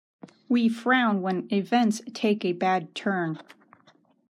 We frown when events take a bad turn.